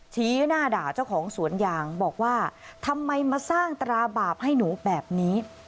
ชี้หน้าด่าเจ้าของสวนยางบอกว่าทำไมมาสร้างตราบาปให้หนูแบบนี้